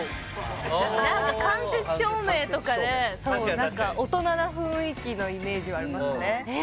間接照明とかでそう何か大人な雰囲気のイメージはありますねえ